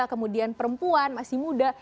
kemudian perempuan masih muda